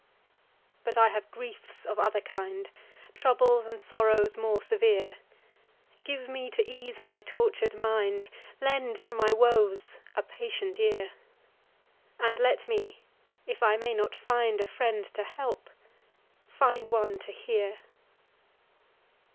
But I have griefs of other kind, Troubles and sorrows more severe; Give me to ease my tortured mind, Lend to my woes a patient ear; And let me, if I may not find A friend to help—find one to hear.